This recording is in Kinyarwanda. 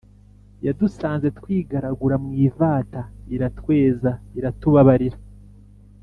yadusanze twigaragura mwivata iratweza iratubabarira